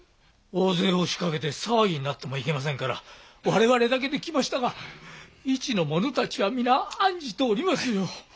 大勢押しかけて騒ぎになってもいけませんから我々だけで来ましたが市の者たちは皆案じておりますよ。